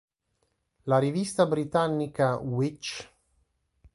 La rivista britannica Which?